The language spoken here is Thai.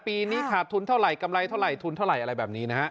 ปีนี้ขาดทุนเท่าไหร่กำไรเท่าไหทุนเท่าไหร่อะไรแบบนี้นะฮะ